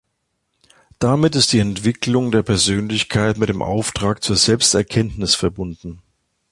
Damit ist die Entwicklung der Persönlichkeit mit dem Auftrag zur Selbsterkenntnis verbunden.